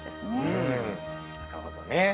うんなるほどね。